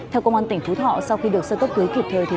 theo công an tỉnh phú thọ sau khi được sơ cấp cứu kịp thời